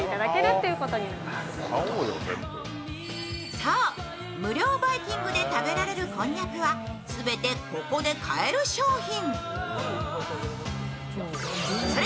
そう、無料バイキングで食べられるこんにゃくは全てここで買える商品。